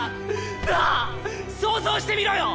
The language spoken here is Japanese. なあ想像してみろよ！